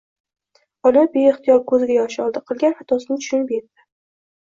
Ona beihtiyor ko`ziga yosh oldi, qilgan xatosini tushunib etdi